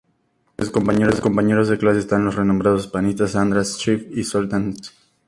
Entre sus compañeros de clase están los renombrados pianistas András Schiff y Zoltán Kocsis.